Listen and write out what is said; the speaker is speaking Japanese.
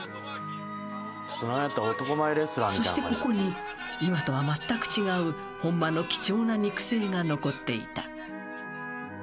［そしてここに今とはまったく違う本間の貴重な肉声が残っていた］